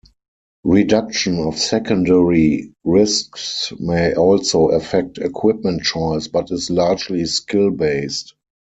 Reduction of secondary risks may also affect equipment choice, but is largely skill-based.